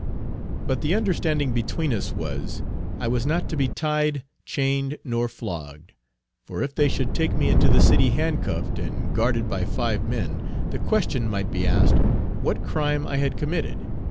But the understanding between us was, I was not to be tied, chained, nor flogged; for if they should take me into the city handcuffed and guarded by five men the question might be asked what crime I had committed?